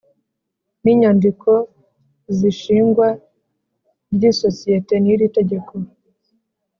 N inyandiko z ishingwa ry isosiyete n iri tegeko